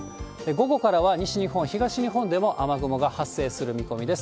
午後からは西日本、東日本でも雨雲が発生する見込みです。